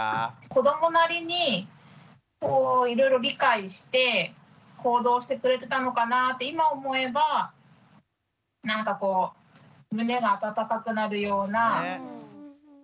子どもなりにいろいろ理解して行動してくれてたのかなって今思えばなんかこう胸が温かくなるような行動だなって思いました。